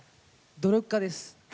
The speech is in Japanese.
努力家です。